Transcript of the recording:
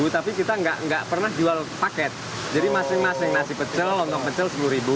dua belas tapi kita enggak enggak pernah jual paket jadi masing masing nasi pecel lontong pecel sepuluh